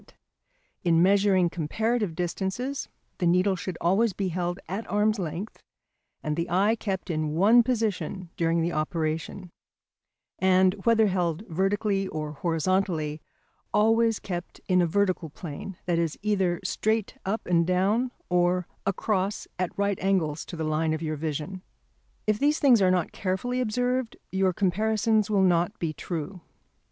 Z, POSITION OF POINTS] In measuring comparative distances the needle should always be held at arm's length and the eye kept in one position during the operation; and, whether held vertically or horizontally, always kept in a vertical plane, that is, either straight up and down, or across at right angles to the line of your vision. If these things are not carefully observed, your comparisons will not be true.